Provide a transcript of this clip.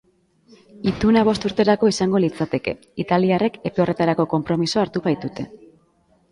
Ituna bost urterako izango litzateke, italiarrek epe horretarako konpromisoa hartu baitute.